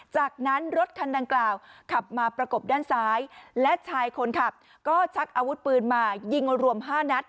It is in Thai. จากนั้นรถคันดังกล่าวขับมาประกบด้านซ้ายและชายคนขับก็ชักอาวุธปืนมายิงรวม๕นัด